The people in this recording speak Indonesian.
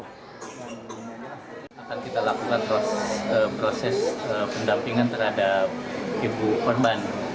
pendampingan terhadap ibu korban